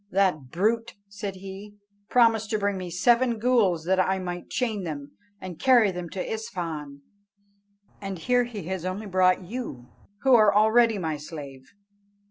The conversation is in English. That brute," said he, "promised to bring me seven ghools, that I might chain them, and carry them to Isfahan, and here he has only brought you, who are already my slave."